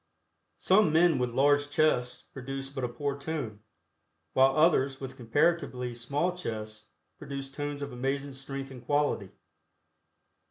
Some men with large chests produce but a poor tone, while others with comparatively small chests produce tones of amazing strength and quality.